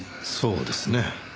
そうですね。